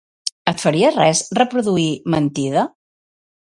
Et faria res reproduir "Mentida"?